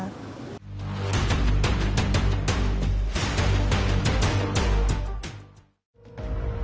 sông sông nước